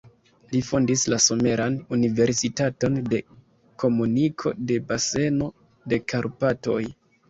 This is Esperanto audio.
Li fondis la Someran Universitaton de Komuniko de Baseno de Karpatoj.